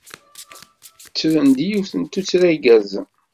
Ttren-d yiwet n tuttra igerrzen.